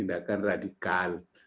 itu adalah tindakan radikal